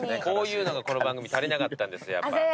こういうのがこの番組足りなかったんです。